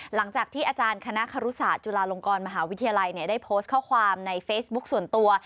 หลังจากที่อาจารย์คณะคารุศาสตร์จุฬาลงกรมหาวิทยาลัยได้โพสต์ข้อความในเฟซบุ๊คส่วนตัว